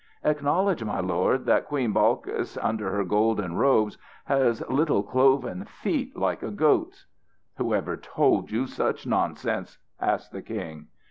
"Acknowledge, my lord, that Queen Balkis under her golden robes has little cloven feet like a goat's." "Who ever told you such nonsense?" asked the King.